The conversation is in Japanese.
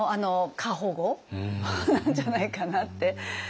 過保護なんじゃないかなって。